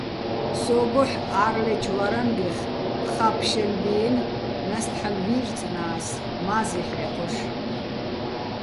სო́გოჰ̦ ა́რლეჩო̆ ვარანგეხ ფხა ფშელბიენი̆, ნასტ ჰ̦ალო̆ ვი́რწნა́ს, მა́ზი ჰ̦ე́ჴოშ.